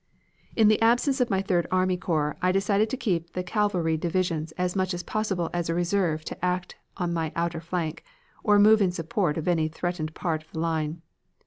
"In the absence of my Third Army Corps I desired to keep the cavalry divisions as much as possible as a reserve to act on my outer flank, or move in support of any threatened part of the line.